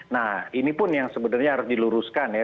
nah ini pun yang sebenarnya harus diluruskan ya